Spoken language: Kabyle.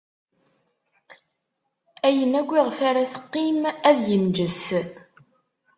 Ayen akk iɣef ara teqqim, ad inǧes.